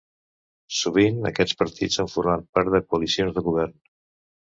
Sovint, aquests partits han format part de coalicions de govern.